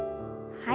はい。